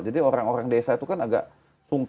jadi orang orang desa itu kan agak sungguh